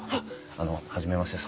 あの初めまして。